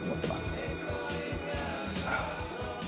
さあ。